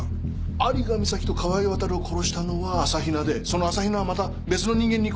有賀美咲と川井渉を殺したのは朝比奈でその朝比奈はまた別の人間に殺されてるってことか？